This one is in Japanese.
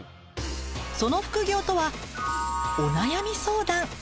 その副業とはお悩み相談。